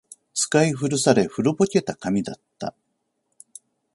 使い古され、古ぼけた紙だった